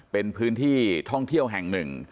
เป็นพื้นที่ท่องเที่ยวแห่งหนึ่ง